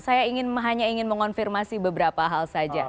saya hanya ingin mengonfirmasi beberapa hal saja